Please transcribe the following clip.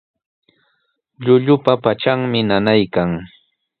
Llullupa patranmi nanaykan.